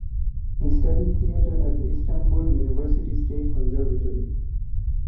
He studied theatre at the Istanbul University State Conservatory.